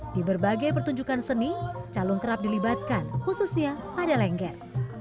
di berbagai pertunjukan seni calung kerap dilibatkan khususnya pada lengger